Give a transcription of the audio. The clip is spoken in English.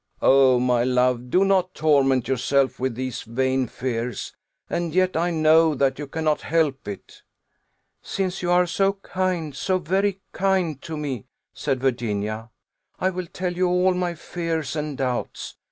"Oh, my love, do not torment yourself with these vain fears! And yet I know that you cannot help it." "Since you are so kind, so very kind to me," said Virginia, "I will tell you all my fears and doubts.